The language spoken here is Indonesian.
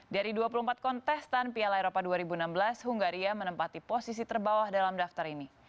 dari dua puluh empat kontestan piala eropa dua ribu enam belas hungaria menempati posisi terbawah dalam daftar ini